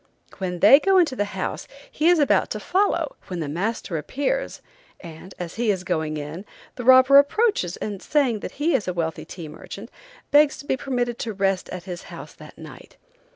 When they go into the house he is about to follow, when the master appears, and, as he is going in, the robber approaches and, saying that he is a wealthy tea merchant, begs to be permitted to rest at his house that night.